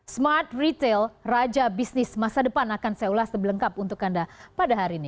smart retail raja bisnis masa depan akan seulas terbelengkap untuk anda pada hari ini